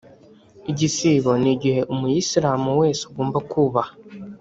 Igisibo ni igihe umuyisilamu wese agomba kubaha